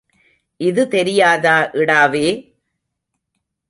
இது தெரியாதா இடாவே?